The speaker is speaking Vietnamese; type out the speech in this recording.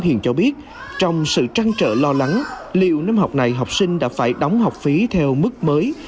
cô hồ hiền cho biết trong sự trăn trở lo lắng liệu năm học này học sinh đã phải đóng học phí theo mức mới